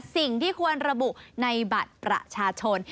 สิ่งที่ควรระบุในบัตรประชาชน